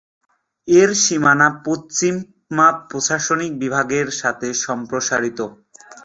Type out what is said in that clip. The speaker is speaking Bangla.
এর সীমানা পশ্চিমা প্রশাসনিক বিভাগের সাথে সমপ্রসারিত।